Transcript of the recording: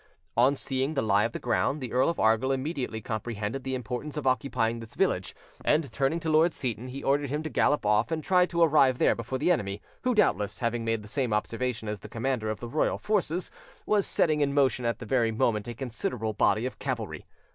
On seeing the lie of the ground, the Earl of Argyll immediately comprehended the importance of occupying this village, and, turning to Lord Seyton, he ordered him to gallop off and try to arrive there before the enemy, who doubtless, having made the same observation as the commander of the royal forces, was setting in motion at that very moment a considerable body of cavalry.